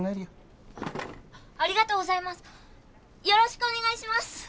よろしくお願いします！